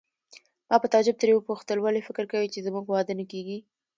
ما په تعجب ترې وپوښتل: ولې فکر کوې چې زموږ واده نه کیږي؟